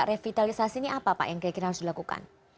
revitalisasi ini apa pak yang kita harus lakukan